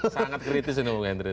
sangat kritis ini bung hendry